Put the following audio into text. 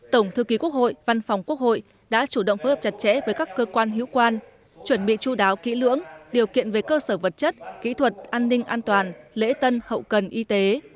tổng thư ký quốc hội văn phòng quốc hội đã chủ động phối hợp chặt chẽ với các cơ quan hữu quan chuẩn bị chú đáo kỹ lưỡng điều kiện về cơ sở vật chất kỹ thuật an ninh an toàn lễ tân hậu cần y tế